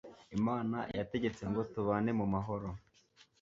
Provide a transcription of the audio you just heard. Imana yategetsengo tubanemu mahoro